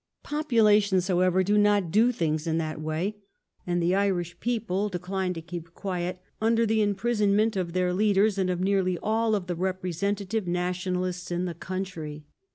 Populations, however, do not do things in that way, and the Irish people declined to keep quiet under the imprisonment of their leaders and of nearly all the representative Nationalists in the country.